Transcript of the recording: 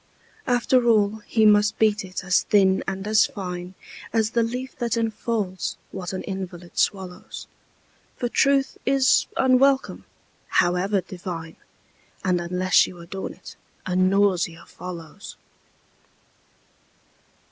After all he must beat it as thin and as fine As the leaf that enfolds what an invalid swallows, For truth is unwelcome, however divine, And unless you adorn it, a nausea follows.